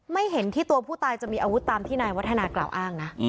เห็นที่ตัวผู้ตายจะมีอาวุธตามที่นายวัฒนากล่าวอ้างนะ